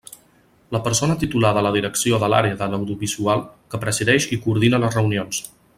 La persona titular de la Direcció de l'Àrea de l'Audiovisual, que presideix i coordina les reunions.